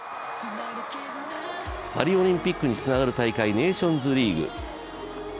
パリオリンピックにつながる大会、ネーションズリーグ。